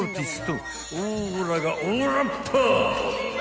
［オーラがオーラッパー！］